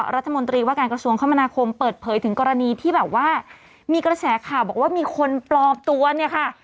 รัฐมนตรีว่าการกระทรวงคมนาคมเปิดเผยถึงกรณีที่แบบว่ามีกระแสข่าวบอกว่ามีคนปลอมตัวเนี่ยค่ะ